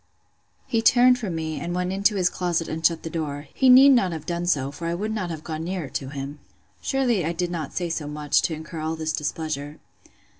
He turned from me, and went into his closet, and shut the door. He need not have done so; for I would not have gone nearer to him! Surely I did not say so much, to incur all this displeasure.